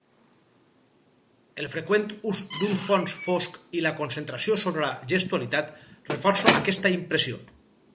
El freqüent ús d'un fons fosc i la concentració sobre la gestualitat, reforça aquesta impressió.